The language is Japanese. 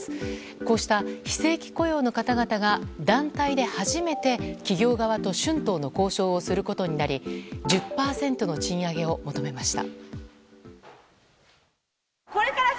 こうした非正規雇用の方々が団体で初めて企業側と春闘の交渉をすることになり１０％の賃上げを求めました。